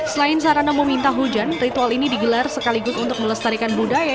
selain sarana meminta hujan ritual ini digelar sekaligus untuk melestarikan budaya